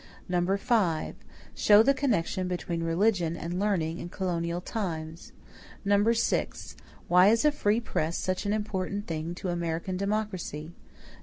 5. Show the connection between religion and learning in colonial times. 6. Why is a "free press" such an important thing to American democracy? 7.